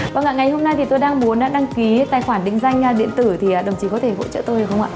vâng ạ ngày hôm nay thì tôi đang muốn đăng ký tài khoản định danh điện tử thì đồng chí có thể hỗ trợ tôi được không ạ